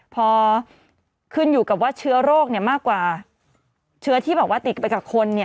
พอขึ้นอยู่กับว่าเชื้อโรคมากกว่าเชื้อที่แบบว่าติดไปกับคน